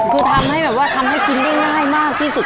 คือทำให้กินได้ง่ายมากที่สุด